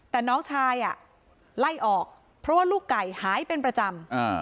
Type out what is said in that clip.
แต่น้องชายไล่ออกเพราะว่าลูกไก่หายเป็นประจำ